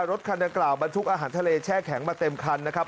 รถคันดังกล่าวบรรทุกอาหารทะเลแช่แข็งมาเต็มคันนะครับ